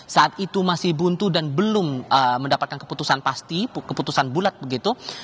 saat itu masih buntu dan belum mendapatkan keputusan pasti keputusan bulat begitu